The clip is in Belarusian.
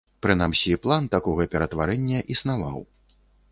Прынамсі, план такога ператварэння існаваў.